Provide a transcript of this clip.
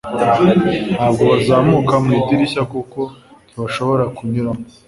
ntabwo bazamuka mu idirishya kuko ntibashobora kunyuramo